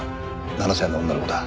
７歳の女の子だ。